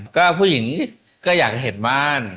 ก็ผู้หญิงก็อยากเห็นบ้าน